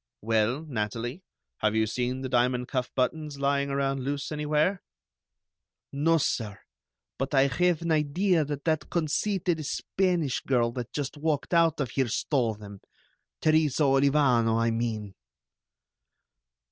"Well, Natalie, have you seen the diamond cuff buttons lying around loose anywhere?" "No, sir; but I have an idea that that conceited Spanish girl that just walked out of here stole them, Teresa Olivano, I mean."